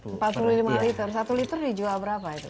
empat puluh lima liter satu liter dijual berapa itu